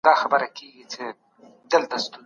نرېوالو څېړندودونو ته په درنه سترګه وګورئ.